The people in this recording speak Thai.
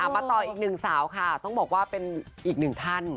มาต่ออีกหนึ่งสาวค่ะต้องบอกว่าเป็นอีกหนึ่งท่าน